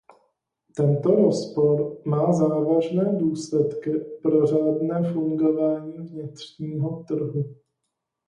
Tento rozpor má závažné důsledky pro řádné fungování vnitřního trhu.